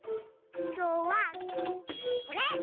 きょうはこれ！